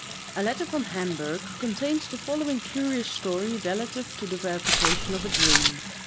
—A letter from Hamburgh contains the following curious story relative to the verification of a dream.